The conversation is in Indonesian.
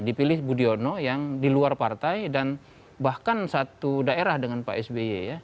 dipilih budiono yang di luar partai dan bahkan satu daerah dengan pak sby